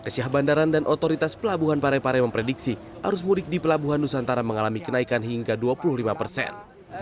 syah bandaran dan otoritas pelabuhan parepare memprediksi arus mudik di pelabuhan nusantara mengalami kenaikan hingga dua puluh lima persen